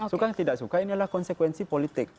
suka tidak suka ini adalah konsekuensi politik